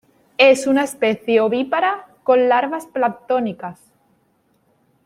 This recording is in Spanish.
Es una especie ovípara, con larvas planctónicas.